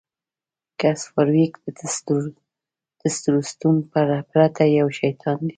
ګس فارویک د ټسټورسټون پرته یو شیطان دی